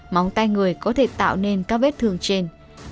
máu tay người có thể tạo nên các vết thương trên